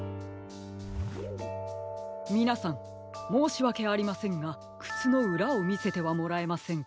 みなさんもうしわけありませんがくつのうらをみせてはもらえませんか？